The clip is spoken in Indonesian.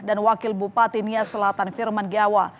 dan wakil bupati nias selatan firman giawa